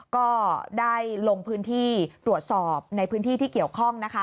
ก็ได้ลงพื้นที่ตรวจสอบในพื้นที่ที่เกี่ยวข้องนะคะ